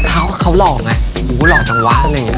แต่ถ้าเขาหล่อไงหูหล่อจังวะ